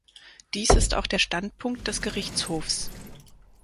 Dies ist auch der Standpunkt des Gerichtshofs.